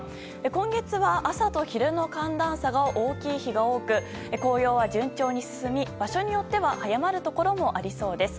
今月は、朝と昼の寒暖差が大きい日が多く紅葉は順調に進み場所によっては早まるところもありそうです。